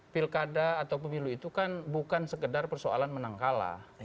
pilkada atau pemilu itu kan bukan sekedar persoalan menang kalah